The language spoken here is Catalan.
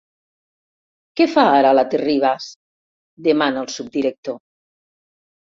Què fa ara la Terribas? —demana el subdirector.